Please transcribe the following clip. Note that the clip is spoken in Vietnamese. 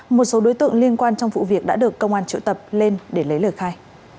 một số đối tượng liên quan trong vụ việc đã được công an triệu tập lên để lấy lời khai